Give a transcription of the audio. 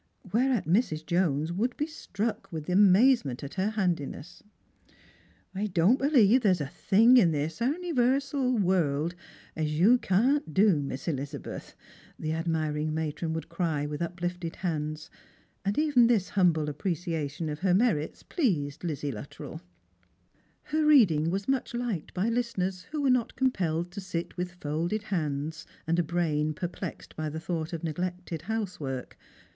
Whereat Mrs. Jones would be struck with amazement by her haiidiness. " I don't believe there's a thing in this 'varsal world as yo'vi can't do, Miss Elizabeth," the admiring matron would cry witk uplifted hands ; aiid even this humble appreciation of her merits pleas'^d Lizzie Luttrell. Her reading was much liked by listeners who were not com pelled to sit with folded hands and a brain perplexed by the thought of neglected housework.